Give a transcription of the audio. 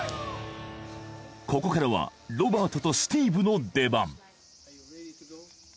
ここからはロバートとスティーブの出番